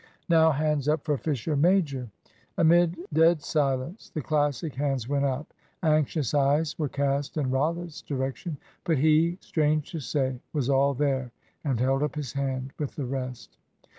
"Now, hands up for Fisher major." Amid dead silence the Classic hands went up. Anxious eyes were cast in Rollitt's direction. But he, strange to say, was all there, and held up his hand with the rest.